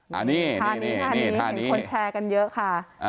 ท่านี้ท่านี้ท่านี้เห็นคนแชร์กันเยอะค่ะ